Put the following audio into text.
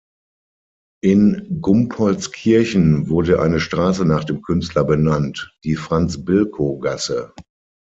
In Gumpoldskirchen wurde eine Straße nach dem Künstler benannt, die Franz-Bilko-Gasse.